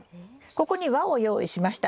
ここに輪を用意しました。